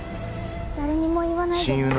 誰にも言わないでね